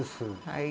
はい。